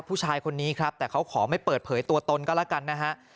ผู้ชายคนนี้ครับแต่เขาขอไม่เปิดเผยตัวตนก็แล้วกันนะฮะ